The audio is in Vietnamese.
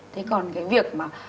thế còn cái việc mà